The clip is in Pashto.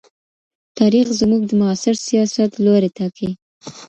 تاریخ زموږ د معاصر سیاست لوری ټاکي.